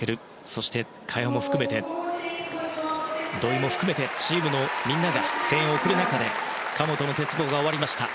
そして、萱も土井も含めてチームのみんなが声援を送る中で神本の鉄棒が終わりました。